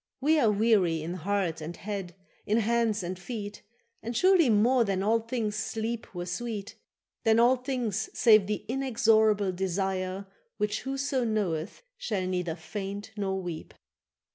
—We are weary in heart and head, in hands and feet, And surely more than all things sleep were sweet, Than all things save the inexorable desire Which whoso knoweth shall neither faint nor weep.